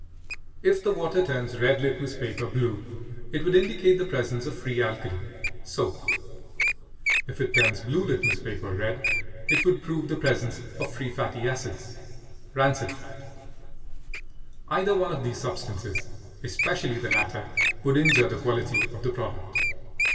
If the water turns red litmus paper blue, it would indicate the presence of free alkali (soap); if it turns blue litmus paper red, it would prove the presence of free fatty acids (rancid fat). Either one of these substances, especially the latter, would injure the quality of the product.